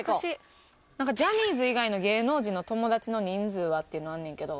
「ジャニーズ以外の芸能人の友達の人数は？」っていうのあんねんけど。